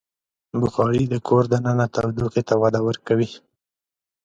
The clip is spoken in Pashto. بخاري د کور دننه تودوخې ته وده ورکوي.